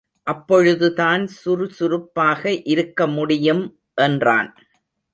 அப்பொழுதுதான் சுருசுருப்பாக இருக்க முடியும் என்றான்.